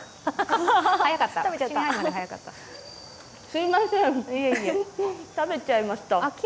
すみません、食べちゃいました。